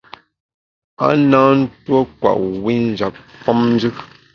A na ntuo kwet wi njap famjù.